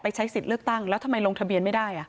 ใช้สิทธิ์เลือกตั้งแล้วทำไมลงทะเบียนไม่ได้